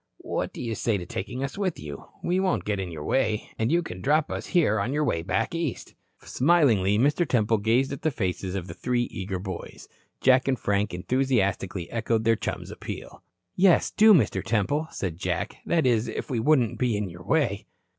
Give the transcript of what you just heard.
What do you say to taking us with you? We won't get in your way. And you can drop us here on your way back East." Smilingly, Mr. Temple gazed at the faces of the three eager boys. Jack and Frank enthusiastically echoed their chum's appeal. "Yes, do, Mr. Temple," said Jack. "That is, if we wouldn't be in your way."